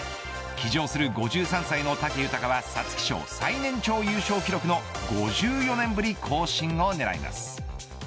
騎乗する５３歳の武豊は皐月賞、最年長優勝記録の５４年ぶり更新を狙います。